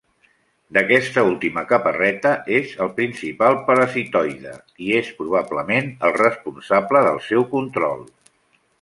D'aquesta última caparreta, és el principal parasitoide i el probablement el responsable del seu control.